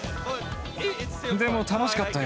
でも楽しかったよ。